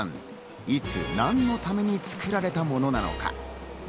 いつ何のために作られたものなのか？